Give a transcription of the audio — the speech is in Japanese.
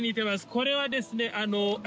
これはですね